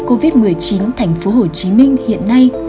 covid một mươi chín tp hcm hiện nay